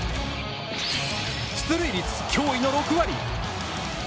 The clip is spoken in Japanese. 出塁率、驚異の６割！